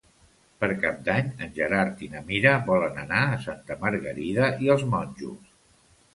Per Cap d'Any en Gerard i na Mira volen anar a Santa Margarida i els Monjos.